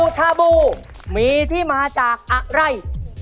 ชาบูมีที่มาจากอะไร